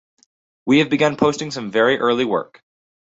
We have begun posting some very early work